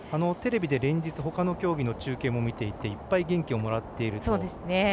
テレビで連日ほかの競技の中継も見ていて見ていて、いっぱい元気をもらっていると。